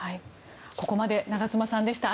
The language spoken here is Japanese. ここまで長妻さんでした。